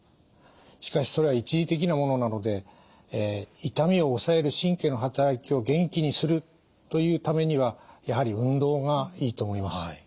しかしそれは一時的なものなので痛みを抑える神経の働きを元気にするというためにはやはり運動がいいと思います。